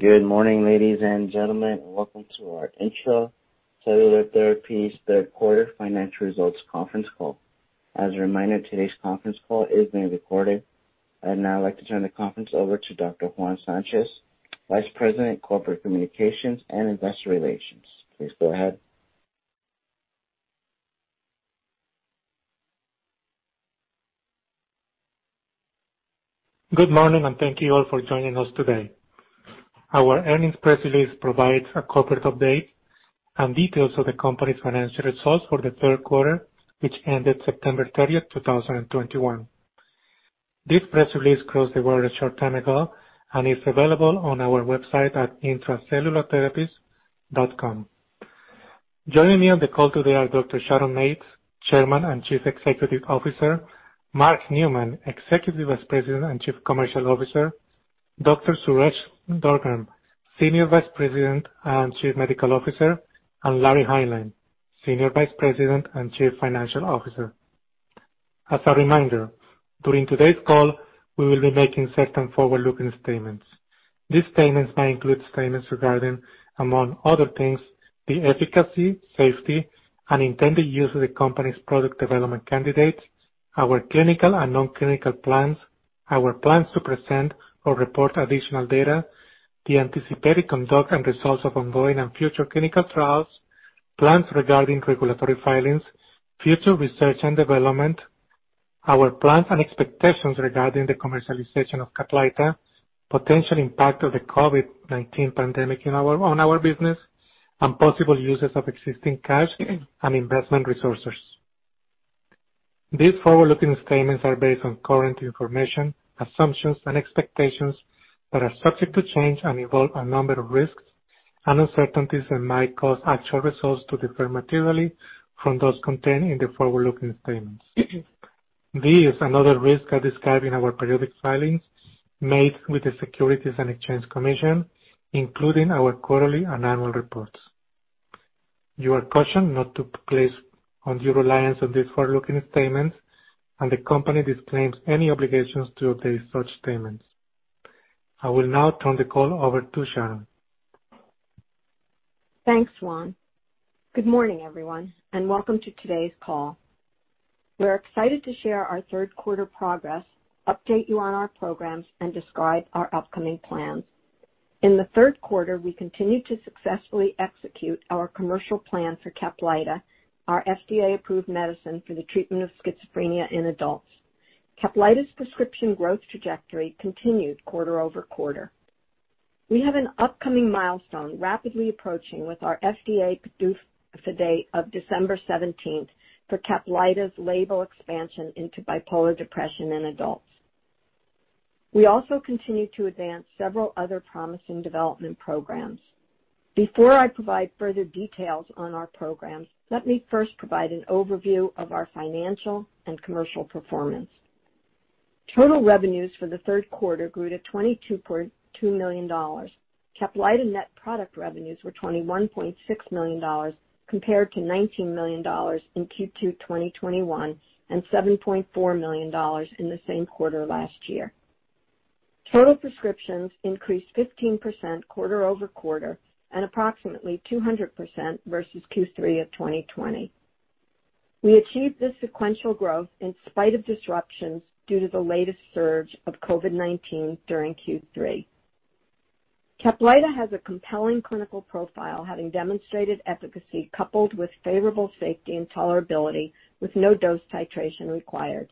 Good morning, ladies and gentlemen. Welcome to our Intra-Cellular Therapies third quarter financial results conference call. As a reminder, today's conference call is being recorded. I'd now like to turn the conference over to Dr. Juan Sanchez, Vice President, Corporate Communications and Investor Relations. Please go ahead. Good morning, and thank you all for joining us today. Our earnings press release provides a corporate update and details of the company's financial results for the third quarter, which ended September 30th, 2021. This press release closed the quarter a short time ago and is available on our website at intracellulartherapies.com. Joining me on the call today are Dr. Sharon Mates, Chairman and Chief Executive Officer, Mark Neumann, Executive Vice President and Chief Commercial Officer, Dr. Suresh Durgam, Senior Vice President and Chief Medical Officer, and Larry Hineline, Senior Vice President and Chief Financial Officer. As a reminder, during today's call, we will be making certain forward-looking statements. These statements may include statements regarding, among other things, the efficacy, safety, and intended use of the company's product development candidates, our clinical and non-clinical plans, our plans to present or report additional data, the anticipated conduct and results of ongoing and future clinical trials, plans regarding regulatory filings, future research and development, our plans and expectations regarding the commercialization of CAPLYTA, potential impact of the COVID-19 pandemic on our business, and possible uses of existing cash and investment resources. These forward-looking statements are based on current information, assumptions, and expectations that are subject to change and involve a number of risks and uncertainties that might cause actual results to differ materially from those contained in the forward-looking statements. These and other risks are described in our periodic filings made with the Securities and Exchange Commission, including our quarterly and annual reports. You are cautioned not to place undue reliance on these forward-looking statements, and the company disclaims any obligations to update such statements. I will now turn the call over to Sharon. Thanks, Juan. Good morning, everyone, and welcome to today's call. We're excited to share our third quarter progress, update you on our programs, and describe our upcoming plans. In the third quarter, we continued to successfully execute our commercial plan for CAPLYTA, our FDA-approved medicine for the treatment of schizophrenia in adults. CAPLYTA's prescription growth trajectory continued quarter over quarter. We have an upcoming milestone rapidly approaching with our FDA PDUFA date of December seventeenth for CAPLYTA's label expansion into bipolar depression in adults. We also continue to advance several other promising development programs. Before I provide further details on our programs, let me first provide an overview of our financial and commercial performance. Total revenues for the third quarter grew to $22.2 million. CAPLYTA net product revenues were $21.6 million compared to $19 million in Q2 2021 and $7.4 million in the same quarter last year. Total prescriptions increased 15% quarter-over-quarter and approximately 200% versus Q3 of 2020. We achieved this sequential growth in spite of disruptions due to the latest surge of COVID-19 during Q3. CAPLYTA has a compelling clinical profile, having demonstrated efficacy coupled with favorable safety and tolerability with no dose titration required.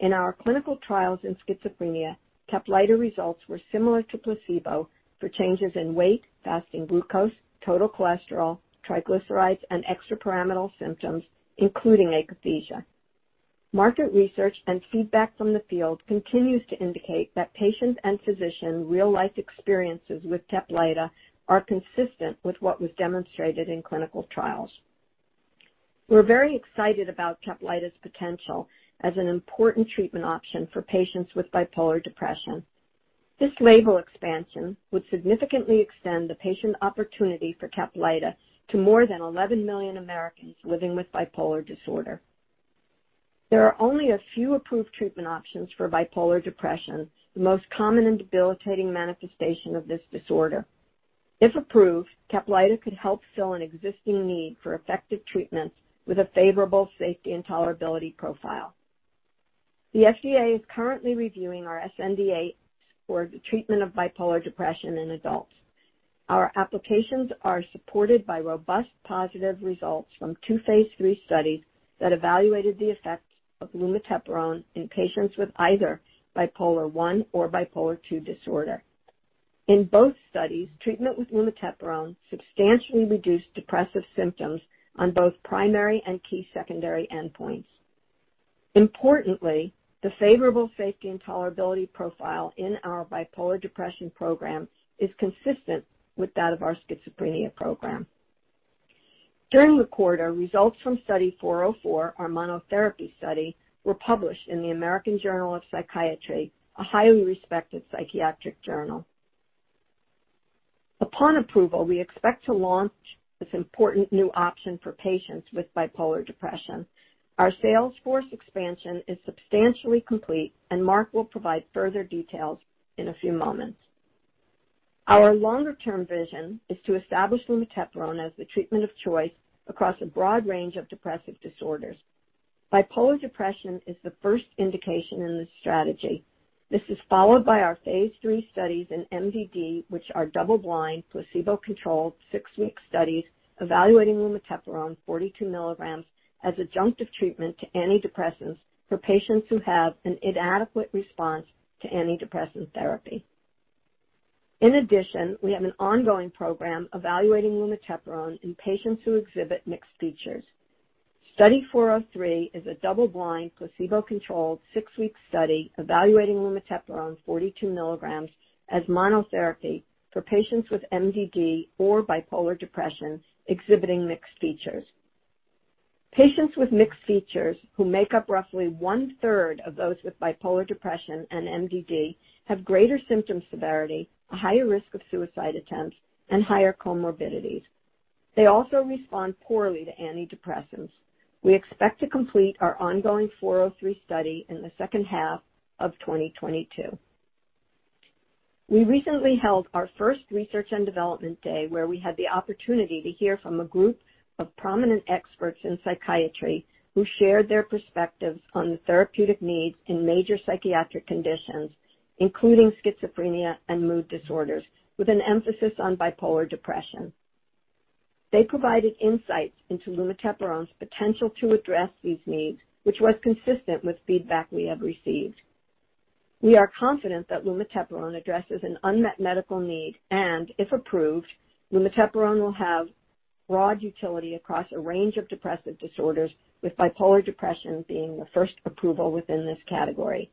In our clinical trials in schizophrenia, CAPLYTA results were similar to placebo for changes in weight, fasting glucose, total cholesterol, triglycerides, and extrapyramidal symptoms, including akathisia. Market research and feedback from the field continues to indicate that patients' and physicians' real life experiences with CAPLYTA are consistent with what was demonstrated in clinical trials. We're very excited about CAPLYTA's potential as an important treatment option for patients with bipolar depression. This label expansion would significantly extend the patient opportunity for CAPLYTA to more than 11 million Americans living with bipolar disorder. There are only a few approved treatment options for bipolar depression, the most common and debilitating manifestation of this disorder. If approved, CAPLYTA could help fill an existing need for effective treatments with a favorable safety and tolerability profile. The FDA is currently reviewing our sNDA for the treatment of bipolar depression in adults. Our applications are supported by robust positive results from two phase III studies that evaluated the effects of lumateperone in patients with either bipolar I or bipolar II disorder. In both studies, treatment with lumateperone substantially reduced depressive symptoms on both primary and key secondary endpoints. Importantly, the favorable safety and tolerability profile in our bipolar depression program is consistent with that of our schizophrenia program. During the quarter, results from Study 404, our monotherapy study, were published in the American Journal of Psychiatry, a highly respected psychiatric journal. Upon approval, we expect to launch this important new option for patients with bipolar depression. Our sales force expansion is substantially complete, and Mark will provide further details in a few moments. Our longer-term vision is to establish lumateperone as the treatment of choice across a broad range of depressive disorders. Bipolar depression is the first indication in this strategy. This is followed by our phase III studies in MDD, which are double-blind, placebo-controlled six-week studies evaluating lumateperone 42 milligrams as adjunctive treatment to antidepressants for patients who have an inadequate response to antidepressant therapy. In addition, we have an ongoing program evaluating lumateperone in patients who exhibit mixed features. Study 403 is a double-blind, placebo-controlled six-week study evaluating lumateperone 42 mg as monotherapy for patients with MDD or bipolar depression exhibiting mixed features. Patients with mixed features, who make up roughly one-third of those with bipolar depression and MDD, have greater symptom severity, a higher risk of suicide attempts, and higher comorbidities. They also respond poorly to antidepressants. We expect to complete our ongoing 403 study in the second half of 2022. We recently held our first research and development day, where we had the opportunity to hear from a group of prominent experts in psychiatry who shared their perspectives on the therapeutic needs in major psychiatric conditions, including schizophrenia and mood disorders, with an emphasis on bipolar depression. They provided insights into lumateperone's potential to address these needs, which was consistent with feedback we have received. We are confident that lumateperone addresses an unmet medical need, and if approved, lumateperone will have broad utility across a range of depressive disorders, with bipolar depression being the first approval within this category.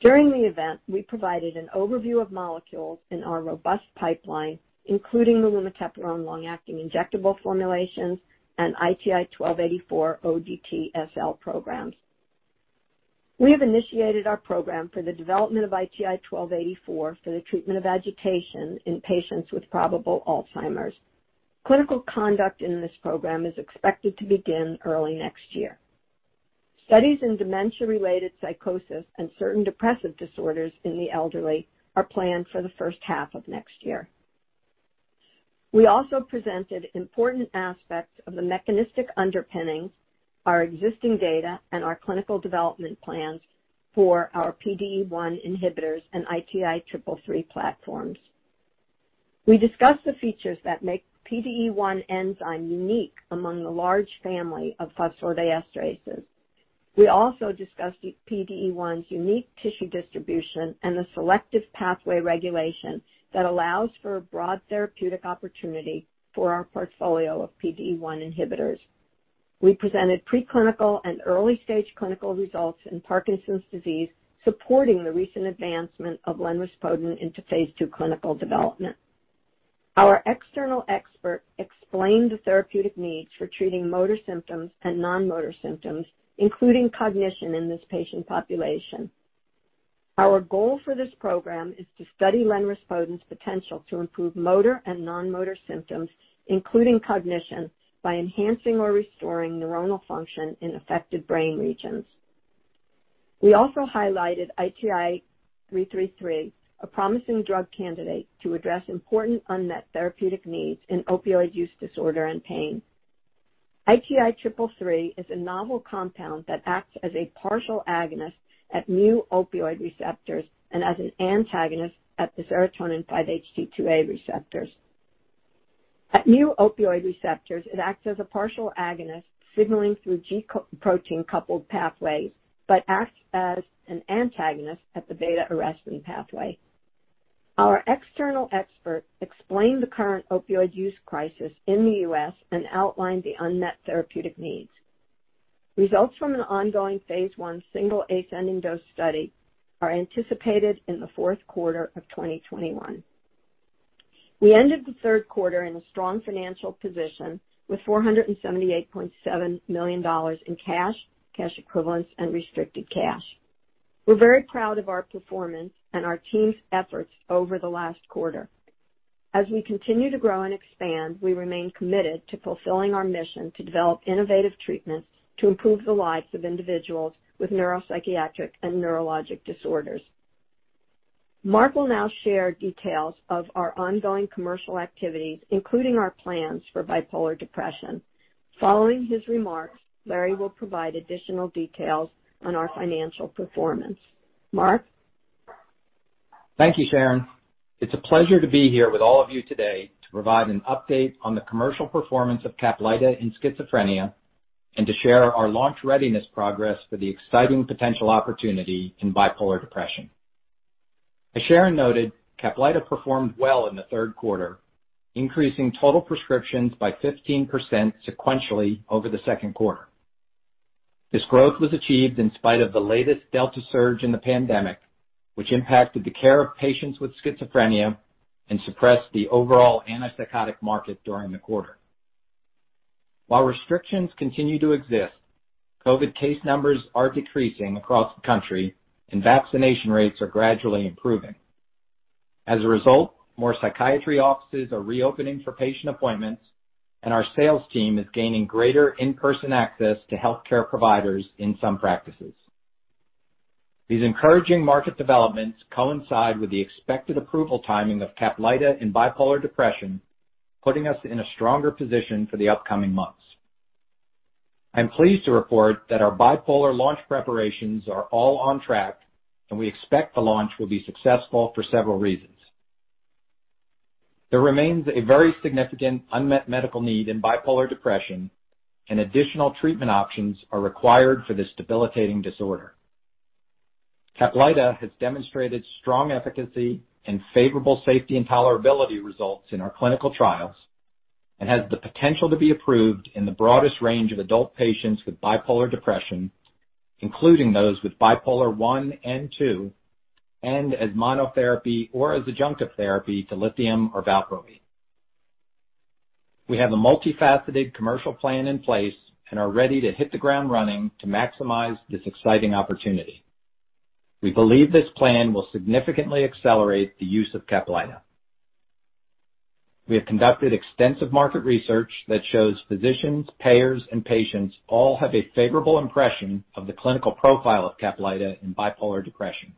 During the event, we provided an overview of molecules in our robust pipeline, including the lumateperone long-acting injectable formulations and ITI-1284 ODT SL programs. We have initiated our program for the development of ITI-1284 for the treatment of agitation in patients with probable Alzheimer's. Clinical conduct in this program is expected to begin early next year. Studies in dementia-related psychosis and certain depressive disorders in the elderly are planned for the first half of next year. We also presented important aspects of the mechanistic underpinning our existing data and our clinical development plans for our PDE1 inhibitors and ITI-333 platforms. We discussed the features that make PDE1 enzyme unique among the large family of phosphodiesterases. We also discussed PDE1's unique tissue distribution and the selective pathway regulation that allows for a broad therapeutic opportunity for our portfolio of PDE1 inhibitors. We presented preclinical and early-stage clinical results in Parkinson's disease, supporting the recent advancement of lenrispodun into phase II clinical development. Our external expert explained the therapeutic needs for treating motor symptoms and non-motor symptoms, including cognition in this patient population. Our goal for this program is to study lenrispodun's potential to improve motor and non-motor symptoms, including cognition, by enhancing or restoring neuronal function in affected brain regions. We also highlighted ITI-333, a promising drug candidate to address important unmet therapeutic needs in opioid use disorder and pain. ITI-333 is a novel compound that acts as a partial agonist at mu opioid receptors and as an antagonist at the serotonin 5-HT2A receptors. At mu opioid receptors, it acts as a partial agonist, signaling through G protein-coupled pathways, but acts as an antagonist at the beta-arrestin pathway. Our external expert explained the current opioid use crisis in the U.S. and outlined the unmet therapeutic needs. Results from an ongoing phase I single ascending dose study are anticipated in the fourth quarter of 2021. We ended the third quarter in a strong financial position with $478.7 million in cash equivalents, and restricted cash. We're very proud of our performance and our team's efforts over the last quarter. As we continue to grow and expand, we remain committed to fulfilling our mission to develop innovative treatments to improve the lives of individuals with neuropsychiatric and neurologic disorders. Mark will now share details of our ongoing commercial activities, including our plans for bipolar depression. Following his remarks, Larry will provide additional details on our financial performance. Mark? Thank you, Sharon. It's a pleasure to be here with all of you today to provide an update on the commercial performance of CAPLYTA in schizophrenia and to share our launch readiness progress for the exciting potential opportunity in bipolar depression. As Sharon noted, CAPLYTA performed well in the third quarter, increasing total prescriptions by 15% sequentially over the second quarter. This growth was achieved in spite of the latest Delta surge in the pandemic, which impacted the care of patients with schizophrenia and suppressed the overall antipsychotic market during the quarter. While restrictions continue to exist, COVID case numbers are decreasing across the country, and vaccination rates are gradually improving. As a result, more psychiatry offices are reopening for patient appointments, and our sales team is gaining greater in-person access to healthcare providers in some practices. These encouraging market developments coincide with the expected approval timing of CAPLYTA in bipolar depression, putting us in a stronger position for the upcoming months. I'm pleased to report that our bipolar launch preparations are all on track, and we expect the launch will be successful for several reasons. There remains a very significant unmet medical need in bipolar depression and additional treatment options are required for this debilitating disorder. CAPLYTA has demonstrated strong efficacy and favorable safety and tolerability results in our clinical trials and has the potential to be approved in the broadest range of adult patients with bipolar depression, including those with bipolar one and two, and as monotherapy or as adjunctive therapy to lithium or valproate. We have a multifaceted commercial plan in place and are ready to hit the ground running to maximize this exciting opportunity. We believe this plan will significantly accelerate the use of CAPLYTA. We have conducted extensive market research that shows physicians, payers, and patients all have a favorable impression of the clinical profile of CAPLYTA in bipolar depression.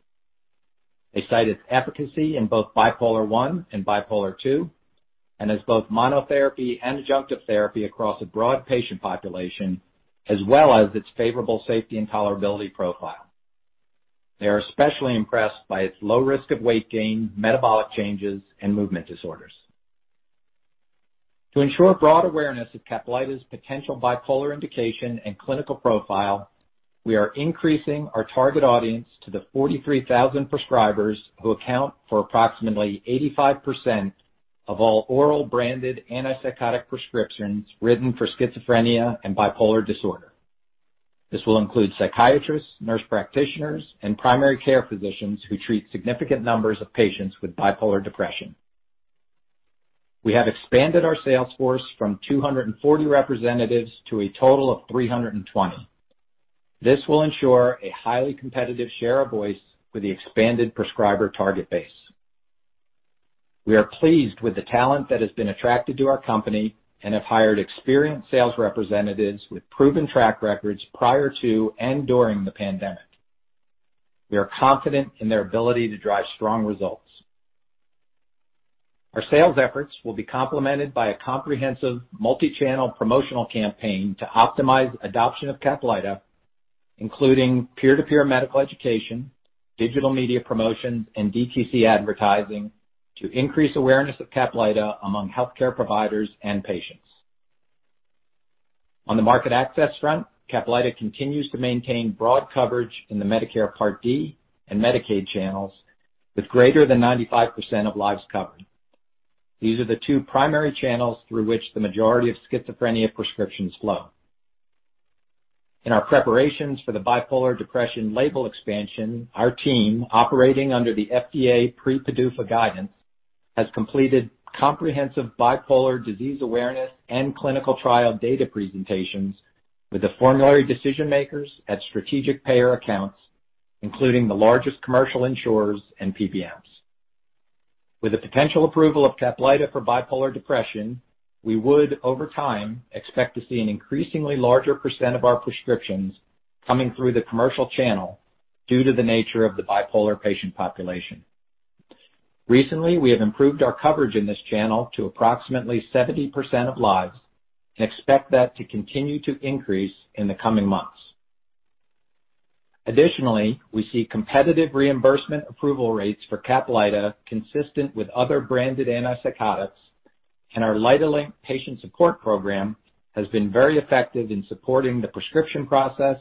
They cited efficacy in both bipolar one and bipolar two, and as both monotherapy and adjunctive therapy across a broad patient population, as well as its favorable safety and tolerability profile. They are especially impressed by its low risk of weight gain, metabolic changes, and movement disorders. To ensure broad awareness of CAPLYTA's potential bipolar indication and clinical profile, we are increasing our target audience to the 43,000 prescribers who account for approximately 85% of all oral branded antipsychotic prescriptions written for schizophrenia and bipolar disorder. This will include psychiatrists, nurse practitioners, and primary care physicians who treat significant numbers of patients with bipolar disorder. We have expanded our sales force from 240 representatives to a total of 320. This will ensure a highly competitive share of voice for the expanded prescriber target base. We are pleased with the talent that has been attracted to our company and have hired experienced sales representatives with proven track records prior to and during the pandemic. We are confident in their ability to drive strong results. Our sales efforts will be complemented by a comprehensive multi-channel promotional campaign to optimize adoption of CAPLYTA, including peer-to-peer medical education, digital media promotions, and DTC advertising to increase awareness of CAPLYTA among healthcare providers and patients. On the market access front, CAPLYTA continues to maintain broad coverage in the Medicare Part D and Medicaid channels with greater than 95% of lives covered. These are the two primary channels through which the majority of schizophrenia prescriptions flow. In our preparations for the bipolar depression label expansion, our team, operating under the FDA pre-PDUFA guidance, has completed comprehensive bipolar disease awareness and clinical trial data presentations with the formulary decision makers at strategic payer accounts, including the largest commercial insurers and PBMs. With the potential approval of CAPLYTA for bipolar depression, we would, over time, expect to see an increasingly larger percent of our prescriptions coming through the commercial channel due to the nature of the bipolar patient population. Recently, we have improved our coverage in this channel to approximately 70% of lives and expect that to continue to increase in the coming months. Additionally, we see competitive reimbursement approval rates for CAPLYTA consistent with other branded antipsychotics, and our LYTAlink patient support program has been very effective in supporting the prescription process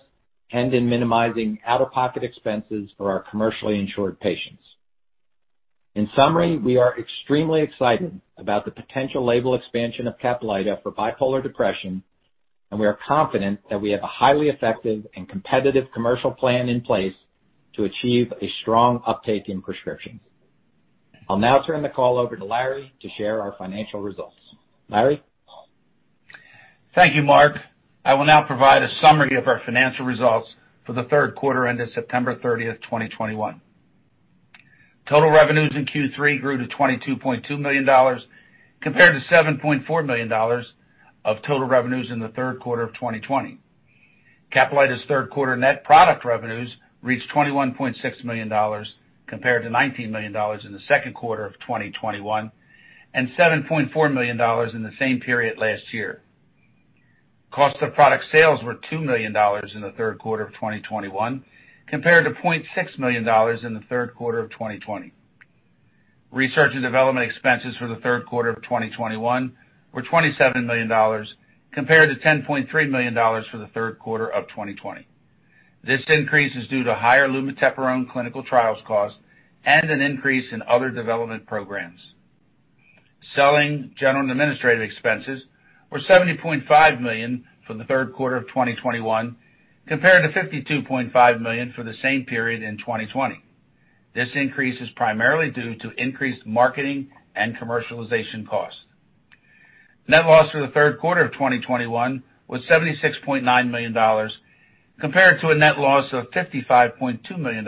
and in minimizing out-of-pocket expenses for our commercially insured patients. In summary, we are extremely excited about the potential label expansion of CAPLYTA for bipolar depression, and we are confident that we have a highly effective and competitive commercial plan in place to achieve a strong uptake in prescriptions. I'll now turn the call over to Larry to share our financial results. Larry? Thank you, Mark. I will now provide a summary of our financial results for the third quarter ended September 30, 2021. Total revenues in Q3 grew to $22.2 million, compared to $7.4 million of total revenues in the third quarter of 2020. CAPLYTA's third quarter net product revenues reached $21.6 million compared to $19 million in the second quarter of 2021 and $7.4 million in the same period last year. Cost of product sales were $2 million in the third quarter of 2021 compared to $0.6 million in the third quarter of 2020. Research and development expenses for the third quarter of 2021 were $27 million compared to $10.3 million for the third quarter of 2020. This increase is due to higher lumateperone clinical trials cost and an increase in other development programs. Selling, general, and administrative expenses were $70.5 million for the third quarter of 2021 compared to $52.5 million for the same period in 2020. This increase is primarily due to increased marketing and commercialization costs. Net loss for the third quarter of 2021 was $76.9 million compared to a net loss of $55.2 million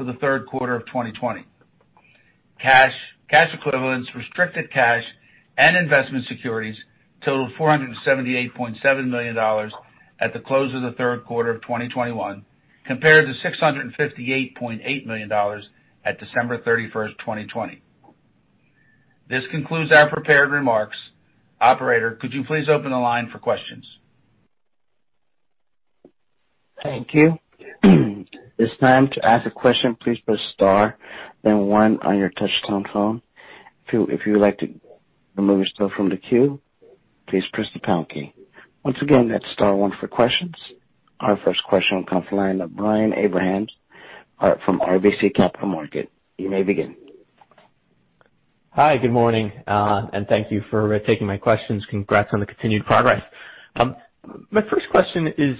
for the third quarter of 2020. Cash, cash equivalents, restricted cash and investment securities totaled $478.7 million at the close of the third quarter of 2021 compared to $658.8 million at December 31st, 2020. This concludes our prepared remarks. Operator, could you please open the line for questions? Thank you. It's time to ask a question. Please press star then one on your touch-tone phone. If you would like to remove yourself from the queue, please press the pound key. Once again, that's star one for questions. Our first question comes from the line of Brian Abrahams from RBC Capital Markets. You may begin. Hi, good morning. Thank you for taking my questions. Congrats on the continued progress. My first question is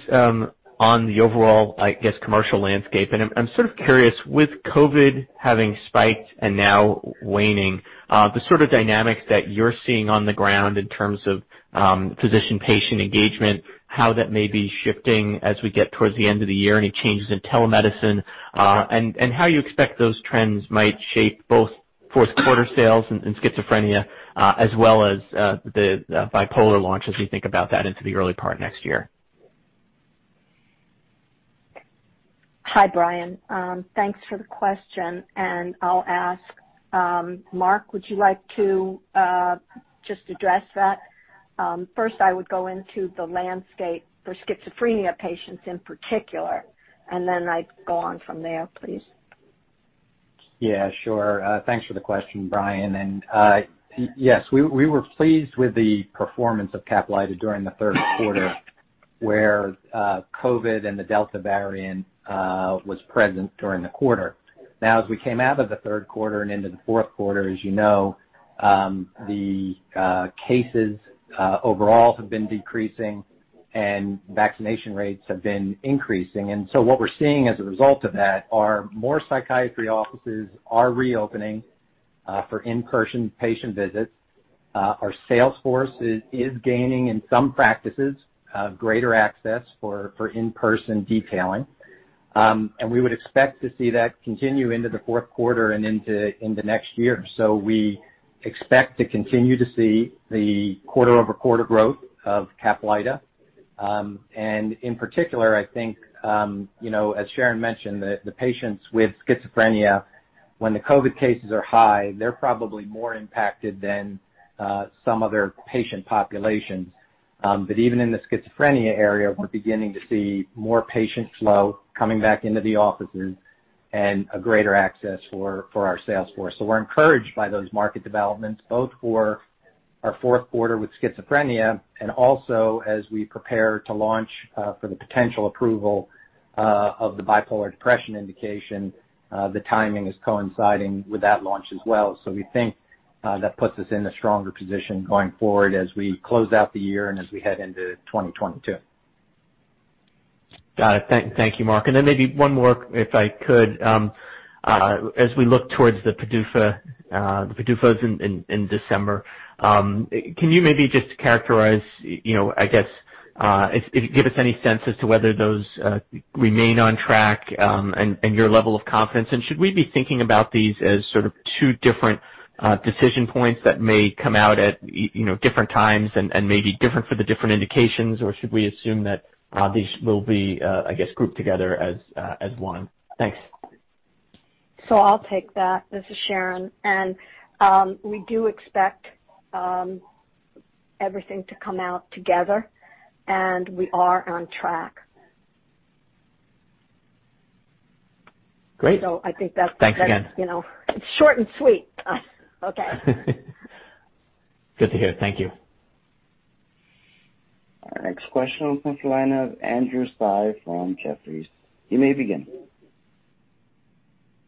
on the overall, I guess, commercial landscape, and I'm sort of curious, with COVID having spiked and now waning, the sort of dynamics that you're seeing on the ground in terms of physician-patient engagement, how that may be shifting as we get towards the end of the year, any changes in telemedicine, and how you expect those trends might shape both fourth quarter sales in schizophrenia, as well as the bipolar launch as we think about that into the early part of next year. Hi, Brian. Thanks for the question, and I'll ask Mark, would you like to just address that? First I would go into the landscape for schizophrenia patients in particular, and then I'd go on from there, please. Yeah, sure. Thanks for the question, Brian. Yes, we were pleased with the performance of CAPLYTA during the third quarter, where COVID and the Delta variant was present during the quarter. Now, as we came out of the third quarter and into the fourth quarter, as you know, the cases overall have been decreasing and vaccination rates have been increasing. What we're seeing as a result of that are more psychiatry offices are reopening for in-person patient visits. Our sales force is gaining in some practices greater access for in-person detailing. We would expect to see that continue into the fourth quarter and into next year. We expect to continue to see the quarter-over-quarter growth of CAPLYTA. In particular, I think you know, as Sharon mentioned, the patients with schizophrenia when the COVID cases are high, they're probably more impacted than some other patient populations. Even in the schizophrenia area, we're beginning to see more patient flow coming back into the offices and a greater access for our sales force. We're encouraged by those market developments, both for our fourth quarter with schizophrenia and also as we prepare to launch for the potential approval of the bipolar depression indication. The timing is coinciding with that launch as well. We think that puts us in a stronger position going forward as we close out the year and as we head into 2022. Got it. Thank you, Mark. Maybe one more, if I could. As we look towards the PDUFA, the PDUFAs in December, can you maybe just characterize, you know, I guess, if you give us any sense as to whether those remain on track, and your level of confidence? Should we be thinking about these as sort of two different decision points that may come out at, you know, different times and may be different for the different indications or should we assume that these will be, I guess, grouped together as one? Thanks. I'll take that. This is Sharon, and we do expect everything to come out together and we are on track. Great. I think that's. Thanks again. You know, short and sweet. Okay. Good to hear. Thank you. Our next question comes from the line of Andrew Tsai from Jefferies. You may begin.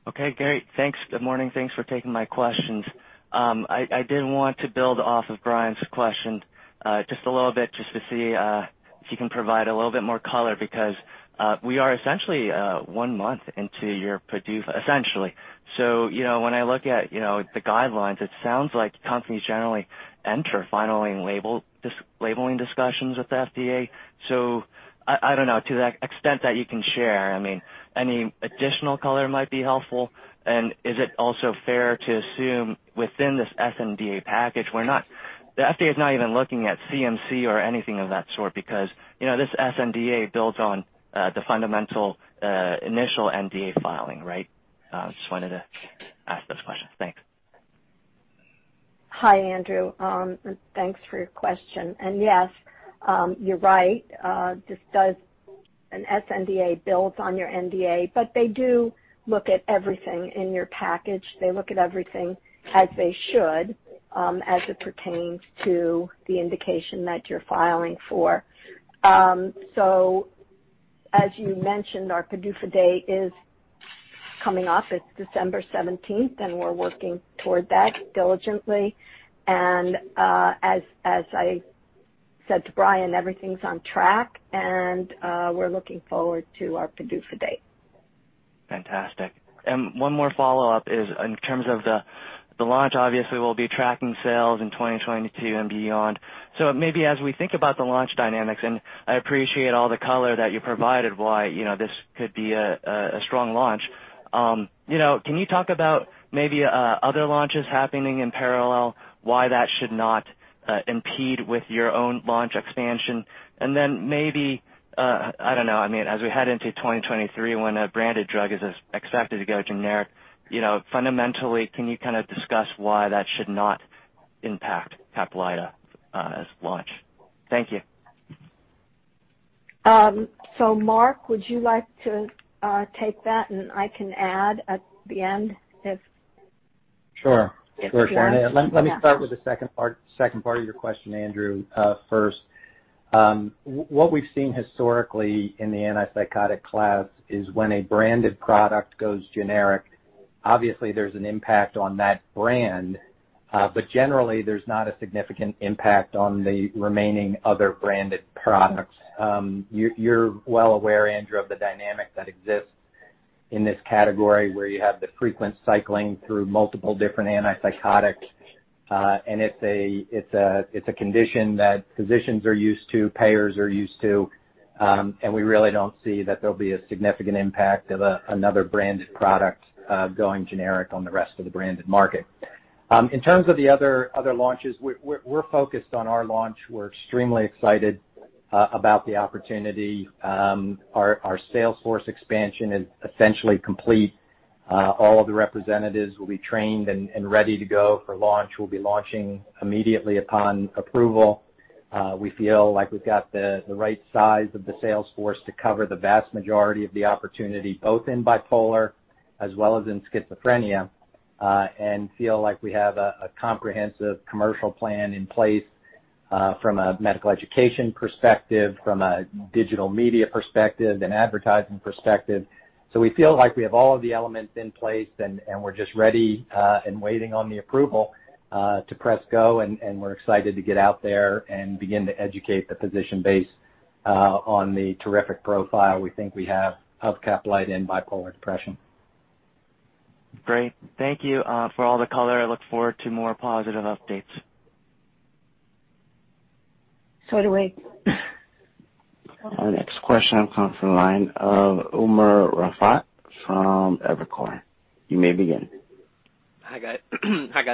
Okay, great. Thanks. Good morning. Thanks for taking my questions. I did want to build off of Brian's question just a little bit just to see if you can provide a little bit more color because we are essentially one month into your PDUFA, essentially. You know, when I look at the guidelines, it sounds like companies generally enter final labeling discussions with the FDA. I don't know, to the extent that you can share, I mean, any additional color might be helpful. Is it also fair to assume within this sNDA package, we're not the FDA is not even looking at CMC or anything of that sort because this sNDA builds on the fundamental initial NDA filing, right? Just wanted to ask those questions. Thanks. Hi, Andrew. Thanks for your question. Yes, you're right. An sNDA builds on your NDA, but they do look at everything in your package. They look at everything as they should, as it pertains to the indication that you're filing for. As you mentioned, our PDUFA date is coming up. It's December seventeenth, and we're working toward that diligently. As I said to Brian, everything's on track, and we're looking forward to our PDUFA date. Fantastic. One more follow-up is in terms of the launch. Obviously, we'll be tracking sales in 2022 and beyond. Maybe as we think about the launch dynamics, and I appreciate all the color that you provided, why you know this could be a strong launch. You know, can you talk about maybe other launches happening in parallel, why that should not impede with your own launch expansion? Then maybe I don't know. I mean, as we head into 2023 when a branded drug is expected to go generic, you know, fundamentally, can you kinda discuss why that should not impact CAPLYTA as launch? Thank you. Mark, would you like to take that, and I can add at the end if- Sure. If you want. Sure. Let me start with the second part of your question, Andrew, first. What we've seen historically in the antipsychotic class is when a branded product goes generic, obviously there's an impact on that brand, but generally there's not a significant impact on the remaining other branded products. You're well aware, Andrew, of the dynamic that exists in this category where you have the frequent cycling through multiple different antipsychotics. It's a condition that physicians are used to, payers are used to, and we really don't see that there'll be a significant impact of another branded product going generic on the rest of the branded market. In terms of the other launches, we're focused on our launch. We're extremely excited about the opportunity. Our sales force expansion is essentially complete. All of the representatives will be trained and ready to go for launch. We'll be launching immediately upon approval. We feel like we've got the right size of the sales force to cover the vast majority of the opportunity, both in bipolar as well as in schizophrenia, and feel like we have a comprehensive commercial plan in place, from a medical education perspective, from a digital media perspective and advertising perspective. We feel like we have all of the elements in place, and we're just ready and waiting on the approval to press go, and we're excited to get out there and begin to educate the physician base on the terrific profile we think we have of CAPLYTA in bipolar depression. Great. Thank you, for all the color. I look forward to more positive updates. Do we. Our next question comes from the line of Umer Raffat from Evercore. You may begin. Hi, guys.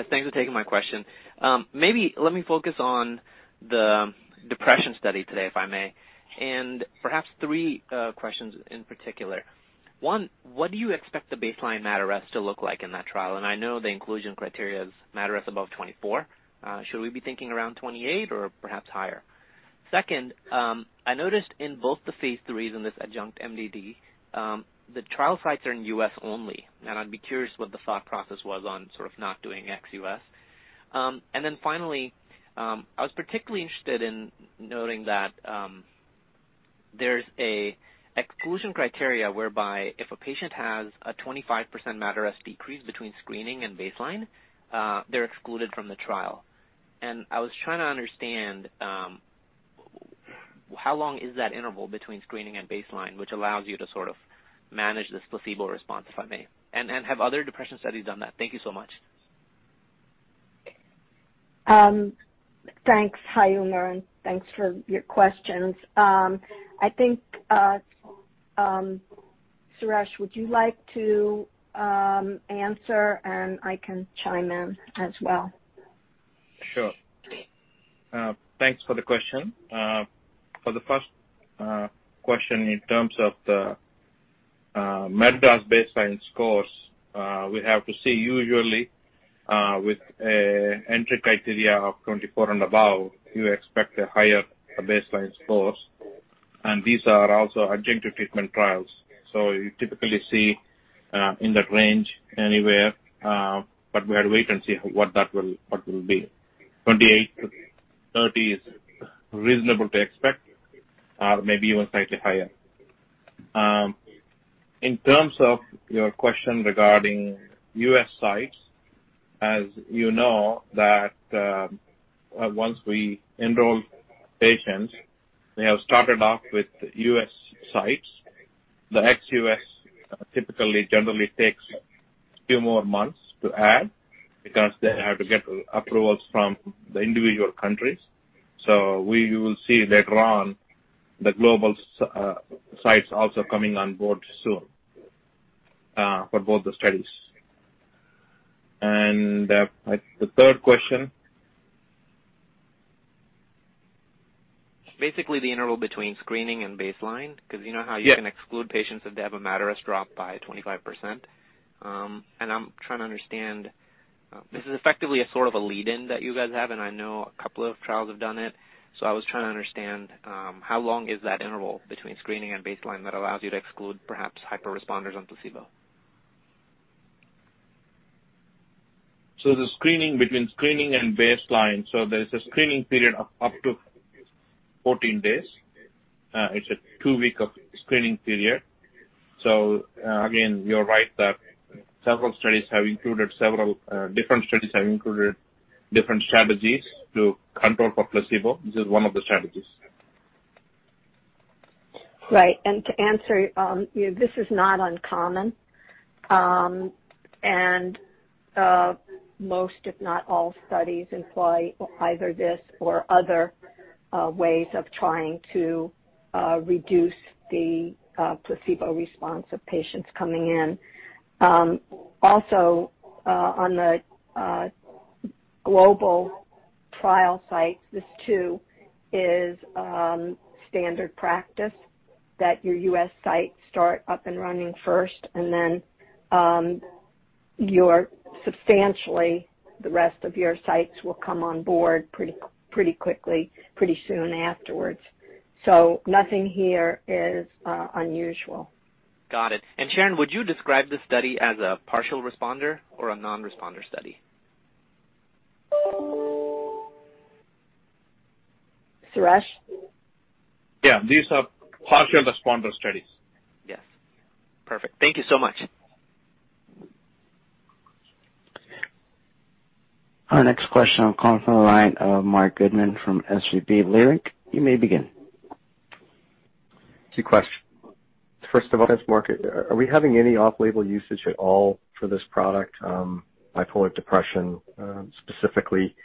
Thanks for taking my question. Maybe let me focus on the depression study today, if I may, and perhaps three questions in particular. One, what do you expect the baseline MADRS to look like in that trial? I know the inclusion criteria is MADRS above 24. Should we be thinking around 28 or perhaps higher? Second, I noticed in both the phase IIIs in this adjunct MDD, the trial sites are in U.S. only, and I'd be curious what the thought process was on sort of not doing ex-U.S. Finally, I was particularly interested in noting that, there's an exclusion criteria whereby if a patient has a 25% MADRS decrease between screening and baseline, they're excluded from the trial. I was trying to understand how long is that interval between screening and baseline, which allows you to sort of manage this placebo response, if I may. Have other depression studies done that? Thank you so much. Thanks. Hi, Umer, and thanks for your questions. I think, Suresh, would you like to answer, and I can chime in as well? Sure. Thanks for the question. For the first question in terms of the MADRS baseline scores, we have to see usually, with a entry criteria of 24 and above, you expect a higher baseline scores, and these are also adjunctive treatment trials. You typically see in that range anywhere, but we have to wait and see what will be. 28-30 is reasonable to expect, maybe even slightly higher. In terms of your question regarding U.S. sites, as you know that, once we enroll patients, we have started off with U.S. sites. The ex-U.S. typically generally takes few more months to add because they have to get approvals from the individual countries. We will see later on the global sites also coming on board soon, for both the studies. The third question? Basically, the interval between screening and baseline because you know how. Yeah. You can exclude patients if they have a MADRS drop by 25%. I'm trying to understand, this is effectively a sort of a lead-in that you guys have, and I know a couple of trials have done it. I was trying to understand, how long is that interval between screening and baseline that allows you to exclude perhaps hyperresponders on placebo. There's a screening period of up to 14 days. It's a two-week screening period. Again, you're right that different studies have included different strategies to control for placebo. This is one of the strategies. Right. To answer, you know, this is not uncommon. Most if not all studies employ either this or other ways of trying to reduce the placebo response of patients coming in. Also, on the global trial sites, this too is standard practice that your U.S. sites start up and running first, and then, your substantially the rest of your sites will come on board pretty quickly, pretty soon afterwards. Nothing here is unusual. Got it. Sharon, would you describe this study as a partial responder or a non-responder study? Suresh? Yeah. These are partial responder studies. Yes. Perfect. Thank you so much. Our next question comes from the line of Marc Goodman from SVB Leerink. You may begin. Two questions. First of all, it's Mark. Are we having any off-label usage at all for this product, bipolar depression, specifically?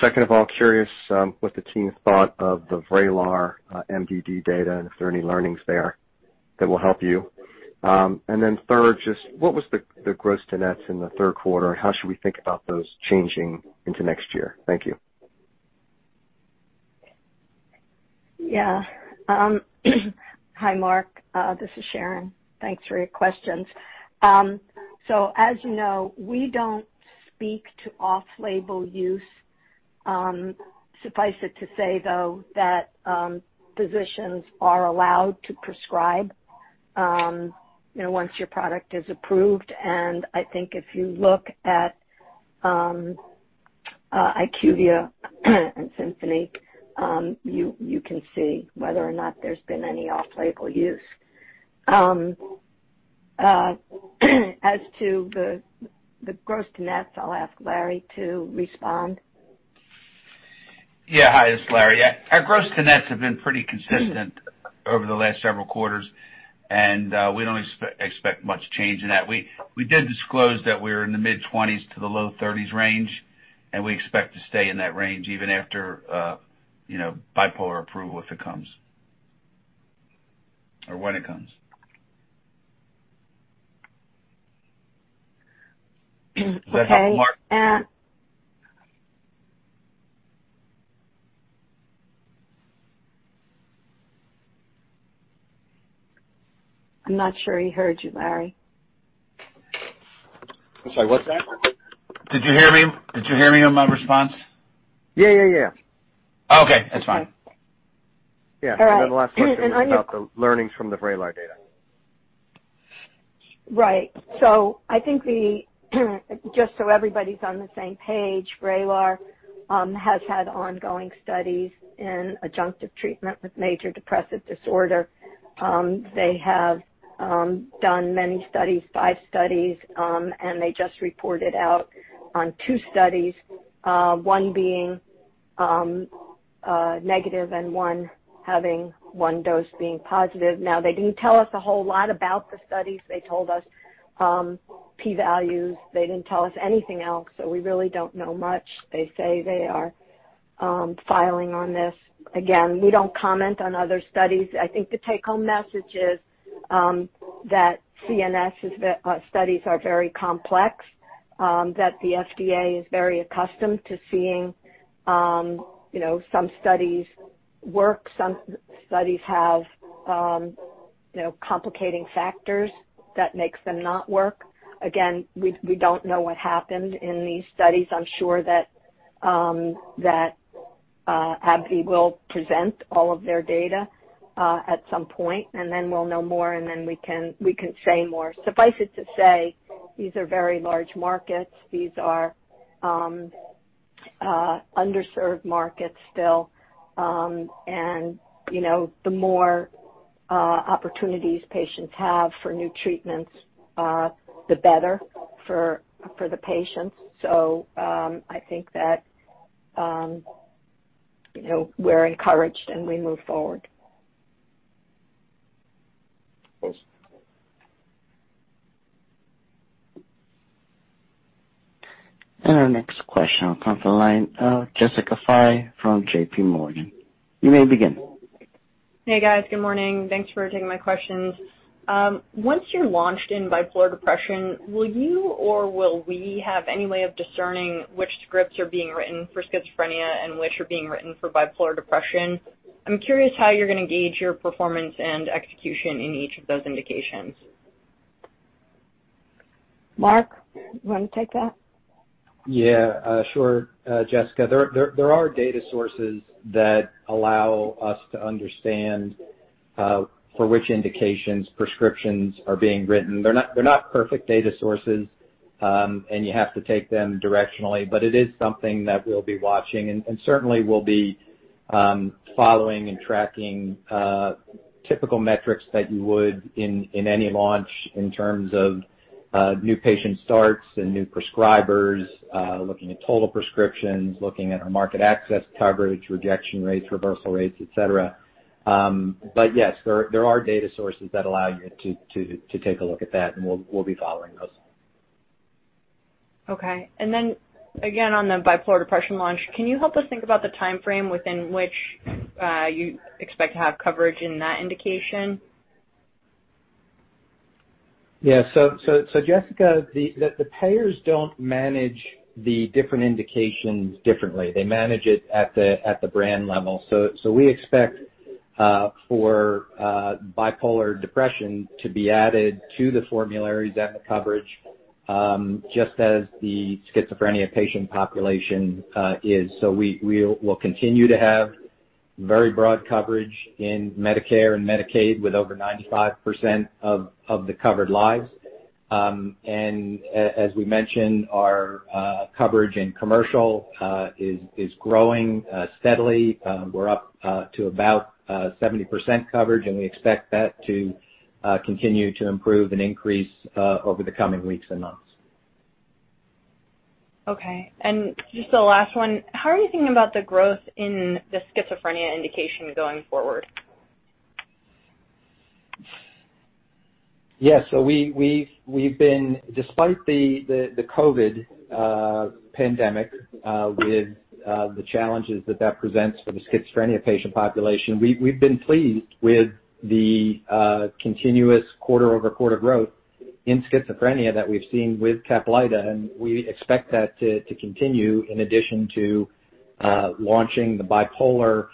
Second of all, curious, what the team thought of the VRAYLAR, MDD data and if there are any learnings there that will help you. And then third, just what was the gross to nets in the third quarter, and how should we think about those changing into next year? Thank you. Yeah. Hi, Marc. This is Sharon. Thanks for your questions. As you know, we don't speak to off-label use. Suffice it to say, though, that physicians are allowed to prescribe, you know, once your product is approved. I think if you look at IQVIA and Symphony, you can see whether or not there's been any off-label use. As to the gross to nets, I'll ask Larry to respond. Yeah. Hi, this is Larry. Our gross to nets have been pretty consistent over the last several quarters, and we don't expect much change in that. We did disclose that we're in the mid-20s% to the low 30s% range, and we expect to stay in that range even after you know, bipolar approval if it comes or when it comes. Okay. Does that help, Marc? I'm not sure he heard you, Larry. I'm sorry, what's that? Did you hear me? Did you hear me on my response? Yeah. Okay. That's fine. Okay. Yeah. All right. The last question is about the learnings from the VRAYLAR data. Right. Just so everybody's on the same page, VRAYLAR has had ongoing studies in adjunctive treatment with major depressive disorder. They have done many studies, five studies, and they just reported out on two studies, one being negative and one having one dose being positive. Now, they didn't tell us a whole lot about the studies. They told us P values. They didn't tell us anything else. We really don't know much. They say they are filing on this. Again, we don't comment on other studies. I think the take-home message is that CNS studies are very complex, that the FDA is very accustomed to seeing, you know, some studies work, some studies have, you know, complicating factors that makes them not work. Again, we don't know what happened in these studies. I'm sure that AbbVie will present all of their data at some point, and then we'll know more, and then we can say more. Suffice it to say, these are very large markets. These are underserved markets still. You know, the more opportunities patients have for new treatments, the better for the patients. I think that you know, we're encouraged and we move forward. Thanks. Our next question will come from the line of Jessica Fye from JPMorgan. You may begin. Hey, guys. Good morning. Thanks for taking my questions. Once you're launched in bipolar depression, will you or will we have any way of discerning which scripts are being written for schizophrenia and which are being written for bipolar depression? I'm curious how you're gonna gauge your performance and execution in each of those indications. Mark, you wanna take that? Yeah. Sure, Jessica. There are data sources that allow us to understand for which indications prescriptions are being written. They're not perfect data sources. You have to take them directionally, but it is something that we'll be watching and certainly we'll be following and tracking typical metrics that you would in any launch in terms of new patient starts and new prescribers, looking at total prescriptions, looking at our market access coverage, rejection rates, reversal rates, et cetera. Yes, there are data sources that allow you to take a look at that, and we'll be following those. Okay. Again, on the bipolar depression launch, can you help us think about the timeframe within which you expect to have coverage in that indication? Jessica, the payers don't manage the different indications differently. They manage it at the brand level. We expect for bipolar depression to be added to the formularies and the coverage just as the schizophrenia patient population is. We will continue to have very broad coverage in Medicare and Medicaid with over 95% of the covered lives. And as we mentioned, our coverage in commercial is growing steadily. We're up to about 70% coverage, and we expect that to continue to improve and increase over the coming weeks and months. Okay. Just the last one, how are you thinking about the growth in the schizophrenia indication going forward? Yes. We've been pleased with the continuous quarter-over-quarter growth in schizophrenia that we've seen with CAPLYTA, and we expect that to continue in addition to launching the bipolar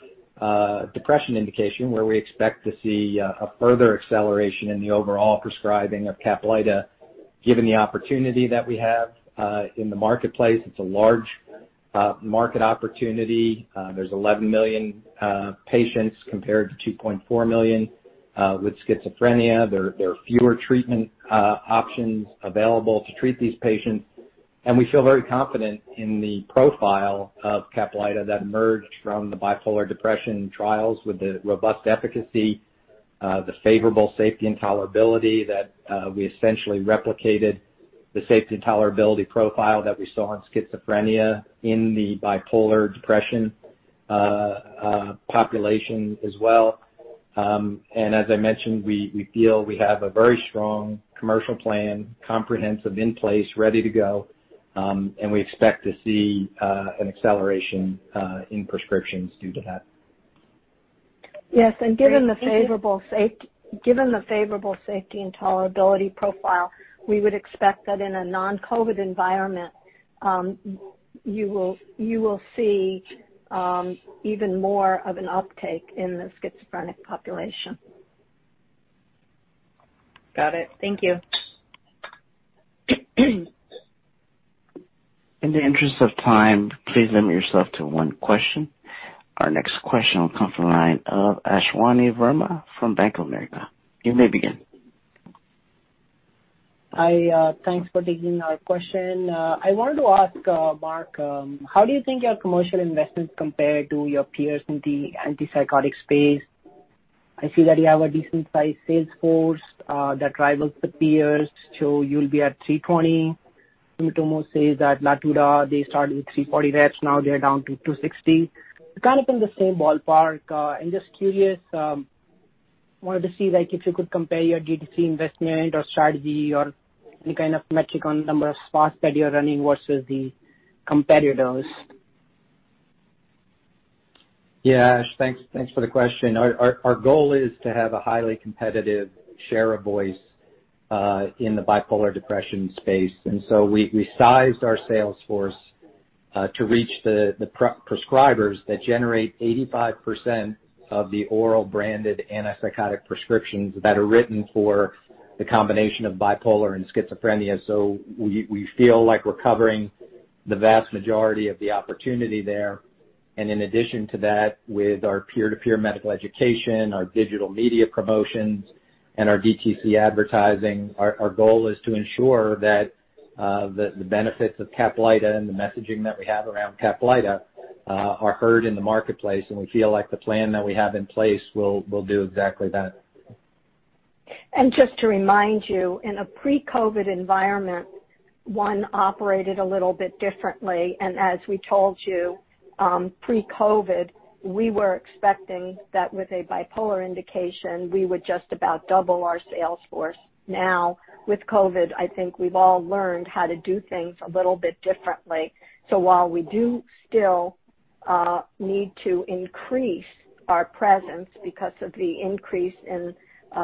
depression indication, where we expect to see a further acceleration in the overall prescribing of CAPLYTA, given the opportunity that we have in the marketplace. It's a large market opportunity. There's 11 million patients compared to 2.4 million with schizophrenia. There are fewer treatment options available to treat these patients, and we feel very confident in the profile of CAPLYTA that emerged from the bipolar depression trials with the robust efficacy, the favorable safety and tolerability that we essentially replicated the safety and tolerability profile that we saw in schizophrenia in the bipolar depression population as well. As I mentioned, we feel we have a very strong comprehensive commercial plan in place, ready to go, and we expect to see an acceleration in prescriptions due to that. Yes. Given the favorable safety and tolerability profile, we would expect that in a non-COVID environment, you will see even more of an uptake in the schizophrenic population. Got it. Thank you. In the interest of time, please limit yourself to one question. Our next question will come from the line of Ashwani Verma from Bank of America. You may begin. Thanks for taking our question. I wanted to ask, Mark, how do you think your commercial investments compare to your peers in the antipsychotic space? I see that you have a decent sized sales force that rivals the peers. You'll be at 320. Sumitomo says that Latuda, they started with 340 reps, now they're down to 260. Kind of in the same ballpark. I'm just curious, wanted to see, like, if you could compare your DTC investment or strategy or any kind of metric on number of spots that you're running versus the competitors. Yeah. Ash, thanks for the question. Our goal is to have a highly competitive share of voice in the bipolar depression space. We sized our sales force to reach the prescribers that generate 85% of the oral branded antipsychotic prescriptions that are written for the combination of bipolar and schizophrenia. We feel like we're covering the vast majority of the opportunity there. In addition to that, with our peer-to-peer medical education, our digital media promotions, and our DTC advertising, our goal is to ensure that the benefits of CAPLYTA and the messaging that we have around CAPLYTA are heard in the marketplace, and we feel like the plan that we have in place will do exactly that. Just to remind you, in a pre-COVID environment, one operated a little bit differently. As we told you, pre-COVID, we were expecting that with a bipolar indication, we would just about double our sales force. Now, with COVID, I think we've all learned how to do things a little bit differently. While we do still need to increase our presence because of the increase in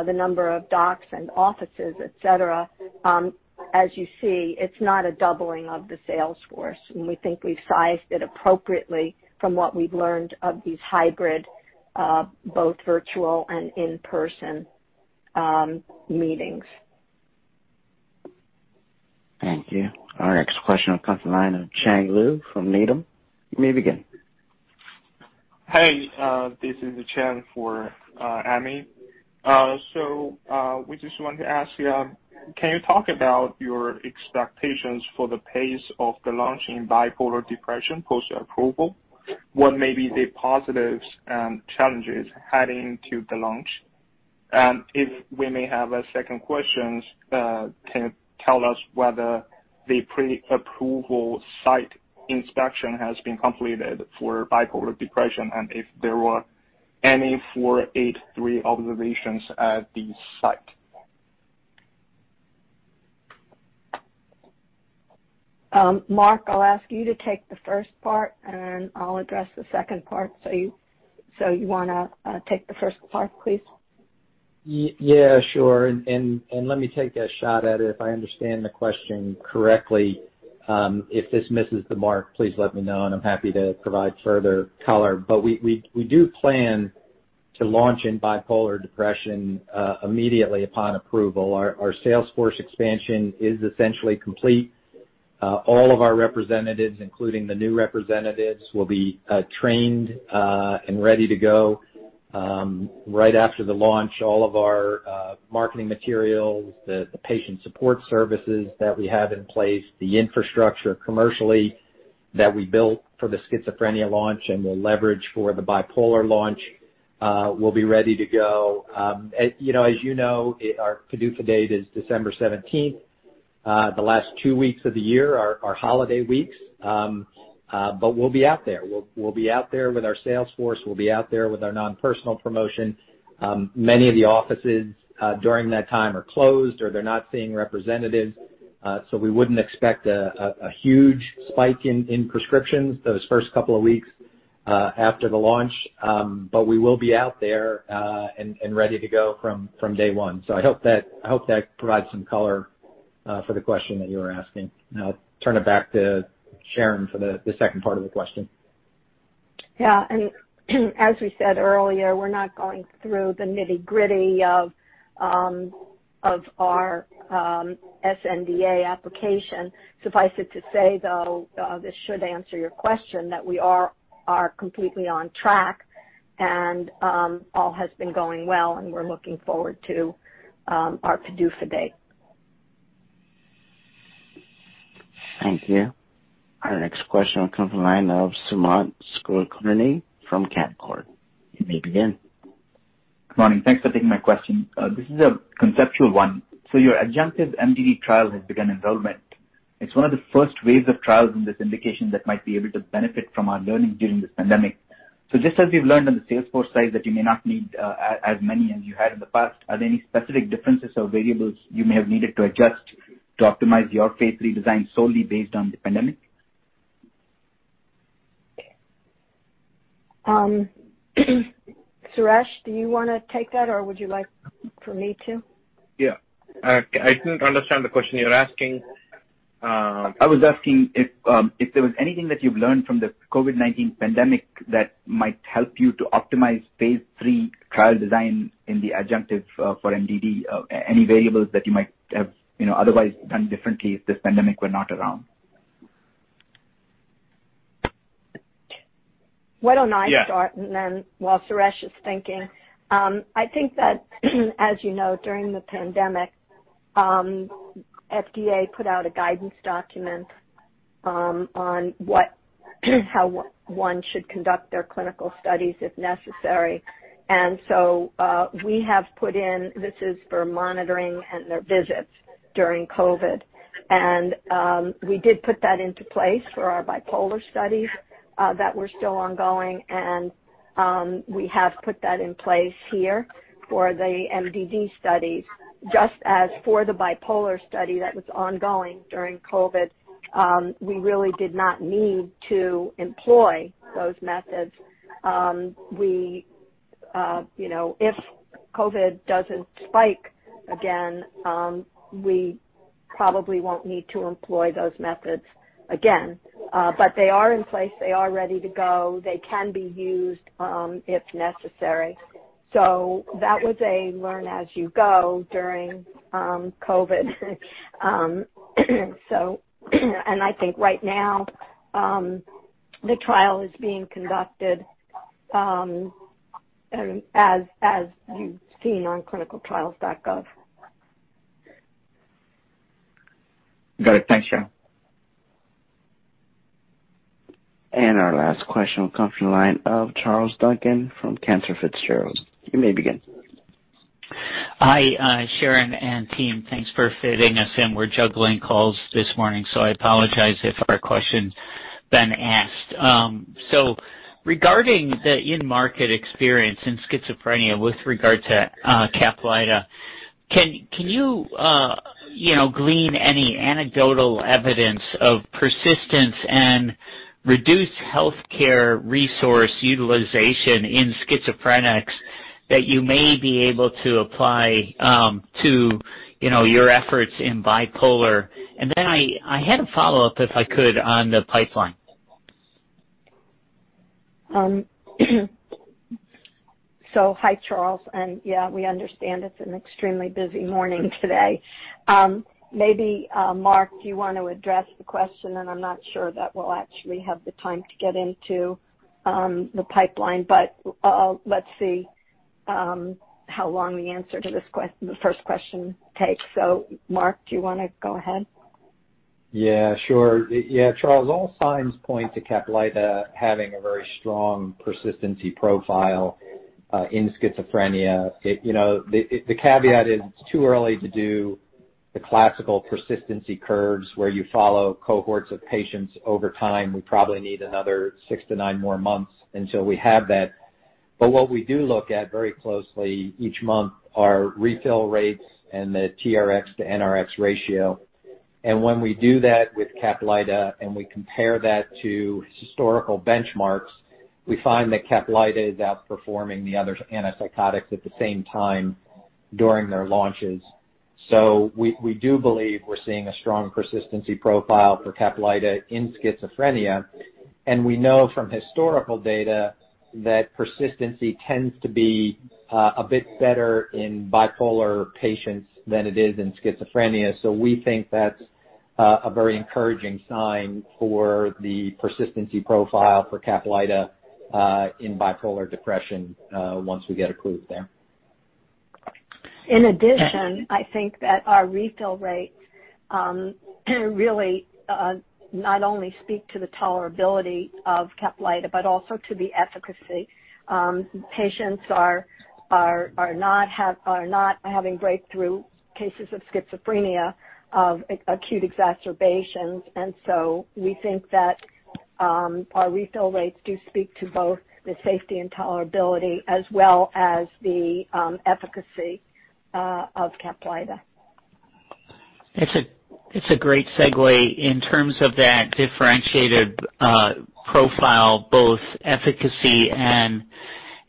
the number of docs and offices, et cetera, as you see, it's not a doubling of the sales force. We think we've sized it appropriately from what we've learned of these hybrid both virtual and in-person meetings. Thank you. Our next question will come from the line of Chang Liu from Needham. You may begin. Hey, this is Chang for Ami. So, we just want to ask you, can you talk about your expectations for the pace of the launch in bipolar depression post-approval? What may be the positives and challenges heading to the launch? If we may have a second question, can you tell us whether the pre-approval site inspection has been completed for bipolar depression, and if there were any 483 observations at the site? Mark, I'll ask you to take the first part, and I'll address the second part. You wanna take the first part, please? Yeah, sure. Let me take a shot at it if I understand the question correctly. If this misses the mark, please let me know, and I'm happy to provide further color. We do plan to launch in bipolar depression immediately upon approval. Our sales force expansion is essentially complete. All of our representatives, including the new representatives, will be trained and ready to go right after the launch. All of our marketing materials, the patient support services that we have in place, the infrastructure commercially that we built for the schizophrenia launch and we'll leverage for the bipolar launch, will be ready to go. You know, as you know, our PDUFA date is December seventeenth. The last two weeks of the year are holiday weeks. We'll be out there. We'll be out there with our sales force. We'll be out there with our non-personal promotion. Many of the offices during that time are closed or they're not seeing representatives. So we wouldn't expect a huge spike in prescriptions those first couple of weeks after the launch. But we will be out there and ready to go from day one. So I hope that provides some color for the question that you were asking. I'll turn it back to Sharon for the second part of the question. Yeah. As we said earlier, we're not going through the nitty-gritty of our SNDA application. Suffice it to say, though, this should answer your question, that we are completely on track and all has been going well, and we're looking forward to our PDUFA date. Thank you. Our next question comes from the line of Sumant Kulkarni from Canaccord. You may begin. Morning. Thanks for taking my question. This is a conceptual one. Your adjunctive MDD trial has begun enrollment. It's one of the first waves of trials in this indication that might be able to benefit from our learning during this pandemic. Just as we've learned on the sales force side that you may not need as many as you had in the past, are there any specific differences or variables you may have needed to adjust to optimize your phase III design solely based on the pandemic? Suresh, do you wanna take that, or would you like for me to? Yeah. I didn't understand the question you're asking. I was asking if there was anything that you've learned from the COVID-19 pandemic that might help you to optimize phase III trial design in the adjunctive for MDD. Any variables that you might have, you know, otherwise done differently if this pandemic were not around. Why don't I start. Yeah. While Suresh is thinking. I think that as you know, during the pandemic, FDA put out a guidance document on how one should conduct their clinical studies if necessary. We have put in this is for monitoring and their visits during COVID. We did put that into place for our bipolar studies that were still ongoing. We have put that in place here for the MDD studies. Just as for the bipolar study that was ongoing during COVID, we really did not need to employ those methods. We, you know, if COVID doesn't spike again, we probably won't need to employ those methods again. But they are in place. They are ready to go. They can be used if necessary. That was a learn as you go during COVID. I think right now the trial is being conducted as you've seen on clinicaltrials.gov. Got it. Thanks, Sharon. Our last question will come from the line of Charles Duncan from Cantor Fitzgerald. You may begin. Hi, Sharon and team. Thanks for fitting us in. We're juggling calls this morning, so I apologize if our question's been asked. Regarding the in-market experience in schizophrenia with regard to CAPLYTA, can you know, glean any anecdotal evidence of persistence and reduced healthcare resource utilization in schizophrenics that you may be able to apply to, you know, your efforts in bipolar? I had a follow-up, if I could, on the pipeline. Hi, Charles. Yeah, we understand it's an extremely busy morning today. Maybe Mark, do you wanna address the question? I'm not sure that we'll actually have the time to get into the pipeline, but let's see how long the answer to the first question takes. Mark, do you wanna go ahead? Yeah, sure. Yeah, Charles, all signs point to CAPLYTA having a very strong persistency profile in schizophrenia. The caveat is it's too early to do the classical persistency curves where you follow cohorts of patients over time. We probably need another six to nine more months until we have that. What we do look at very closely each month are refill rates and the TRX to NRX ratio. When we do that with CAPLYTA, and we compare that to historical benchmarks, we find that CAPLYTA is outperforming the other antipsychotics at the same time during their launches. We do believe we're seeing a strong persistency profile for CAPLYTA in schizophrenia. We know from historical data that persistency tends to be a bit better in bipolar patients than it is in schizophrenia. We think that's a very encouraging sign for the persistency profile for CAPLYTA in bipolar depression once we get approved there. In addition, I think that our refill rates really not only speak to the tolerability of CAPLYTA, but also to the efficacy. Patients are not having breakthrough cases of schizophrenia, of acute exacerbations. We think that our refill rates do speak to both the safety and tolerability as well as the efficacy of CAPLYTA. It's a great segue in terms of that differentiated profile, both efficacy and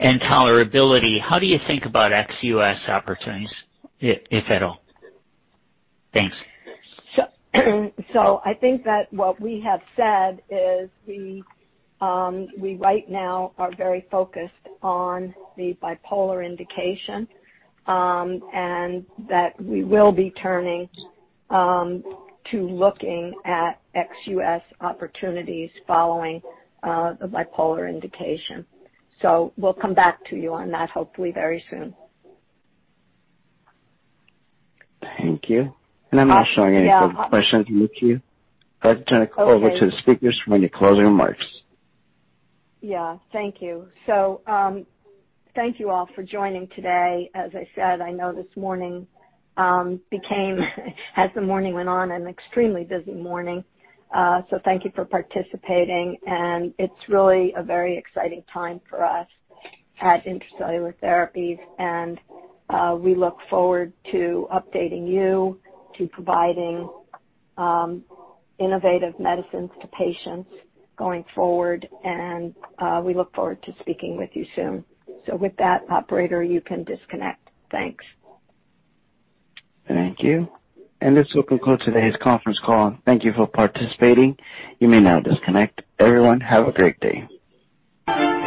tolerability. How do you think about ex-U.S. opportunities, if at all? Thanks. I think that what we have said is we right now are very focused on the bipolar indication, and that we will be turning to looking at ex-U.S. opportunities following the bipolar indication. We'll come back to you on that hopefully very soon. Thank you. Yeah. I'm not showing any further questions, Mikie. Okay. I'd like to turn it over to the speakers for any closing remarks. Yeah. Thank you. Thank you all for joining today. As I said, I know this morning became as the morning went on, an extremely busy morning. Thank you for participating, and it's really a very exciting time for us at Intra-Cellular Therapies. We look forward to updating you, to providing innovative medicines to patients going forward. We look forward to speaking with you soon. With that, operator, you can disconnect. Thanks. Thank you. This will conclude today's conference call. Thank you for participating. You may now disconnect. Everyone, have a great day.